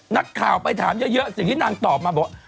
นักข่าวไปถามเยอะสิ่งที่นางตอบมาบอก